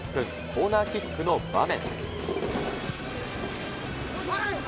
コーナーキックの場面。